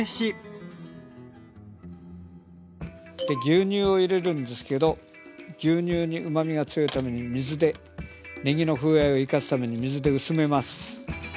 で牛乳を入れるんですけど牛乳にうまみが強いために水でねぎの風合いを生かすために水で薄めます。